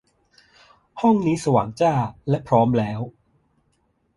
ห้องนี้สว่างจ้า และพร้อมแล้ว